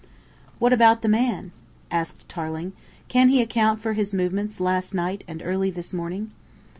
"What about the man?" asked Tarling. "Can he account for his movements last night and early this morning?"